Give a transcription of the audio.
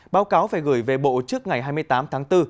báo cáo phải gửi về bộ trước ngày hai mươi tám tháng bốn